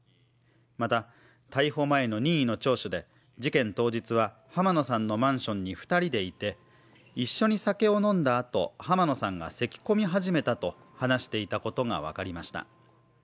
また、逮捕前の任意の聴取で事件当日は濱野さんのマンションに２人でいて、一緒に酒を飲んだあと、濱野さんがせき込み始めたと話していたことが分かりました。